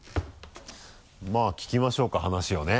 まぁ聞きましょうか話をね。